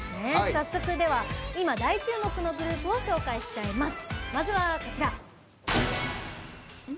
早速、今、大注目のグループを紹介しちゃいます。